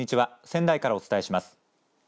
仙台からお伝えします。